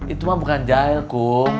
itu mah bukan jahil kum